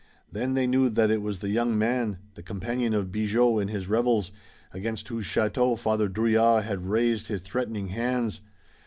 Then they knew that it was the young man, the companion of Bigot in his revels, against whose chateau Father Drouillard had raised his threatening hands.